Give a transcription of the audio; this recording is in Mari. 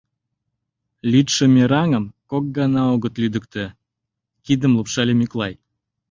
— Лӱдшӧ мераҥым кок гана огыт лӱдыктӧ! — кидым лупшале Мӱклай.